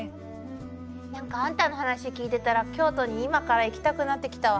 なんかあんたの話聞いてたら京都に今から行きたくなってきたわ。